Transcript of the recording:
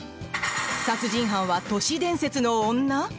殺人犯は都市伝説の女？